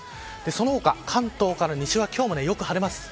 その他、関東から西は今日もよく晴れます。